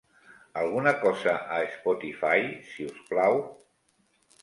alguna cosa a Spotify, si us plau